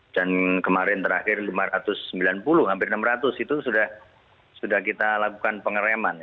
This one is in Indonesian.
dan kemarin terakhir lima ratus sembilan puluh hampir enam ratus itu sudah kita lakukan pengereman